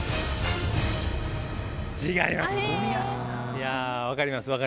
いや分かります。